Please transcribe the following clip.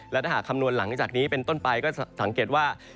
และถ้าหากคำนวณหลังจากนี้เป็นต้นไปก็สังเกตว่า